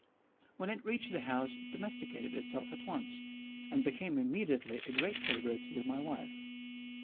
When it reached the house it domesticated itself at once, and became immediately a great favorite with my wife.